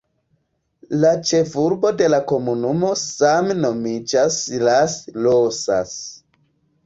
La ĉefurbo de la komunumo same nomiĝas Las Rosas.